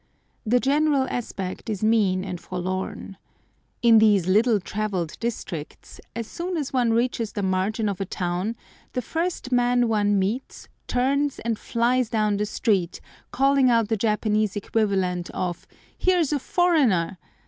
The general aspect is mean and forlorn. In these little travelled districts, as soon as one reaches the margin of a town, the first man one meets turns and flies down the street, calling out the Japanese equivalent of "Here's a foreigner!"